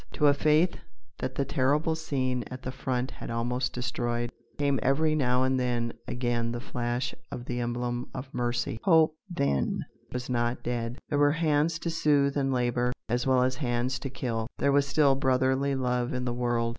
To a faith that the terrible scene at the front had almost destroyed, came every now and then again the flash of the emblem of mercy Hope, then, was not dead. There were hands to soothe and labour, as well as hands to kill. There was still brotherly love in the world.